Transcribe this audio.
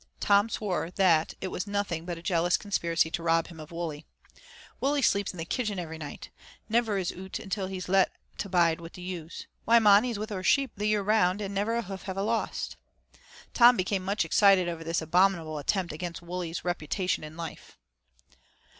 Tom swore that it was nothing but a jealous conspiracy to rob him of Wully. "Wully sleeps i' the kitchen every night. Never is oot till he's let to bide wi' the yowes. Why, mon, he's wi' oor sheep the year round, and never a hoof have ah lost." Tom became much excited over this abominable attempt against Wully's reputation and life.